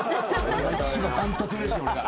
断トツうれしい俺が。